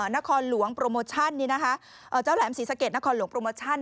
นครหลวงโปรโมชั่นนี่นะคะเอ่อเจ้าแหลมสีสะเก็ดนครหลวงโปรโมชั่น